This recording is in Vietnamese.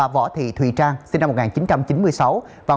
võ thị thùy trang sinh năm một nghìn chín trăm chín mươi sáu